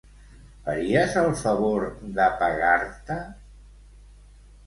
Faries el favor d'apagar-te?